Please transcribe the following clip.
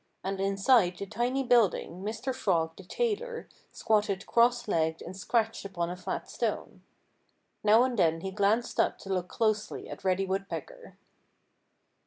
And inside the tiny building Mr. Frog the tailor squatted cross legged and scratched upon a flat stone. Now and then he glanced up to look closely at Reddy Woodpecker.